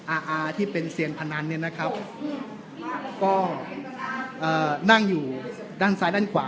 อาอาที่เป็นเซียนพนันเนี่ยนะครับก็เอ่อนั่งอยู่ด้านซ้ายด้านขวา